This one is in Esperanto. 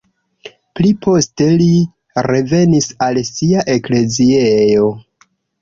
Pli poste li revenis al sia ekleziejo.